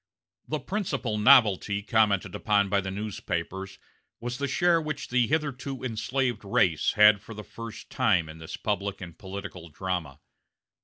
The principal novelty commented upon by the newspapers was the share which the hitherto enslaved race had for the first time in this public and political drama.